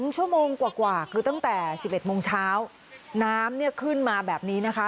ชั่วโมงกว่าคือตั้งแต่๑๑โมงเช้าน้ำเนี่ยขึ้นมาแบบนี้นะคะ